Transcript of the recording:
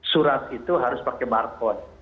surat itu harus pakai marcon